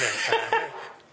ハハハハ！